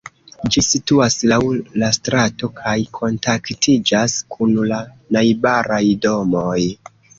Ĝi situas laŭ la strato kaj kontaktiĝas kun la najbaraj domoj.